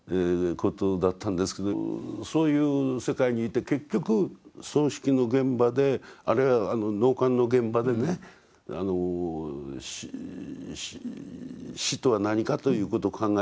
そういう世界にいて結局葬式の現場であるいは納棺の現場でね死とは何かということを考えるようになって。